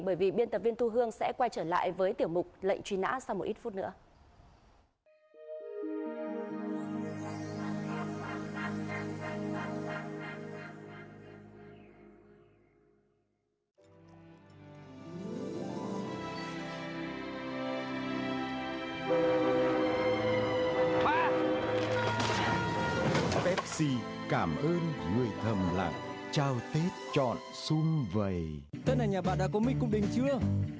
bởi vì biên tập viên thu hương sẽ quay trở lại với tiểu mục lệnh truy nã sau một ít phút nữa